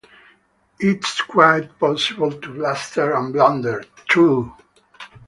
It's quite possible to bluster and blunder, too!